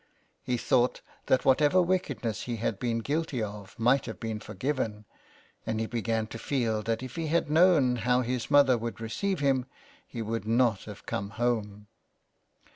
He thought that whatever wickedness he had been guilty of might have been forgiven, and he began to feel that if he had known how his mother would receive him he would not have come home.